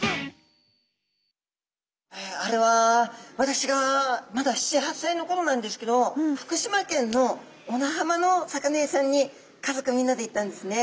あれは私がまだ７８さいのころなんですけど福島県の小名浜の魚屋さんに家族みんなで行ったんですね。